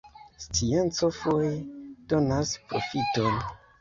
Scienco foje donas proﬁton.